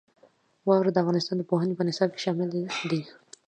واوره د افغانستان د پوهنې په نصاب کې شامل دي.